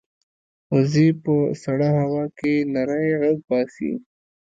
وزې په سړه هوا کې نری غږ باسي